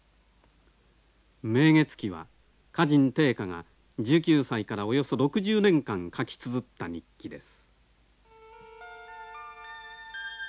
「明月記」は歌人定家が１９歳からおよそ６０年間書きつづった日記です。